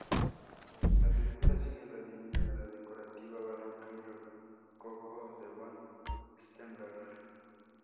La película sigue la línea de la decorativa barroca y rococó de von Sternberg.